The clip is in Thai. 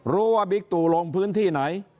รู้ว่าบิ๊กตูลงพื้นที่ไหน